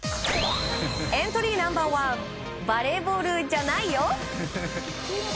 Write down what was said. エントリーナンバー１バレーボールじゃないよ。